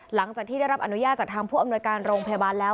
หลังจากที่ได้รับอนุญาตจากทางผู้อำนวยการโรงพยาบาลแล้ว